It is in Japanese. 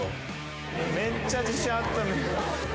めっちゃ自信あったのに。